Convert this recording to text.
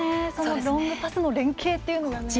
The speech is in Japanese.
ロングパスの連係というのが。